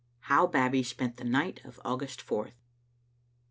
HOW BABBIE SPENT THE NIGHT OF AUGUST FOURTH.